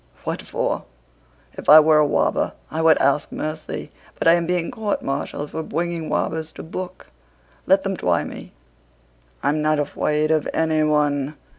"What for? If I were a wobber I would ask mercy, but I'm being court martialed for bwinging wobbers to book. Let them twy me, I'm not afwaid of anyone.